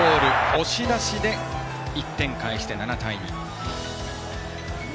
押し出しで１点返して７対２。